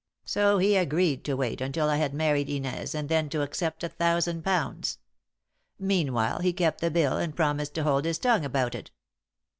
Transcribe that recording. So he agreed to wait until I had married Inez and then to accept a thousand pounds. Meanwhile, he kept the bill and promised to hold his tongue about it.